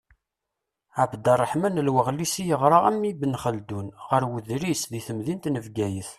Ɛebderreḥman Al-Waɣlisi yeɣra, am Ibn Xeldun, ɣer Wedris di temdint n Bgayet.